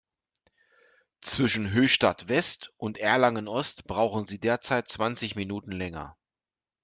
Zwischen Höchstadt-West und Erlangen-Ost brauchen Sie derzeit zwanzig Minuten länger.